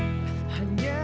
tidak aku tidak mau